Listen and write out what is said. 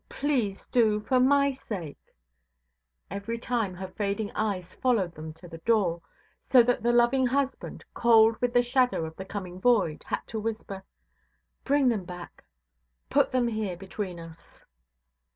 please do for my sake"; every time her fading eyes followed them to the door, so that the loving husband, cold with the shadow of the coming void, had to whisper, "Bring them back, put them here between us".